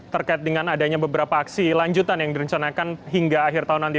terkait dengan adanya beberapa aksi lanjutan yang direncanakan hingga akhir tahun nanti